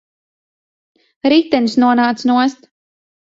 Ritenis nonāca nost.